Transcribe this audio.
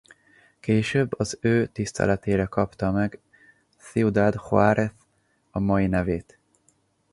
Később az ő tiszteletére kapta meg Ciudad Juárez a mai nevét.